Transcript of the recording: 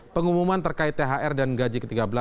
pengumuman terkait thr dan gaji ke tiga belas